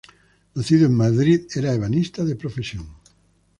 Nacido en Madrid, era ebanista de profesión.